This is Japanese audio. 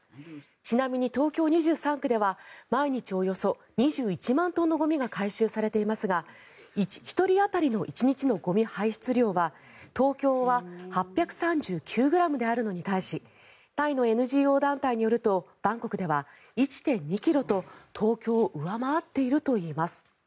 ちなみに東京２３区では毎日およそ２１万トンのゴミが回収されていますが１人当たりの１日のゴミ排出量は東京は８３９ｇであるのに対しタイのＮＧＯ団体によるとバンコクでは１．２ｋｇと東京を上回っているといいます。